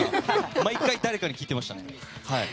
毎回誰かに聞いてましたね。